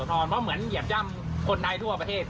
เพราะเหมือนเหยียบย่ำคนไทยทั่วประเทศ